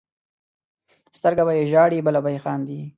سترګه به یې ژاړي بله به یې خاندي.